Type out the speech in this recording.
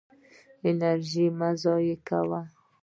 انرژي مه ضایع کوه.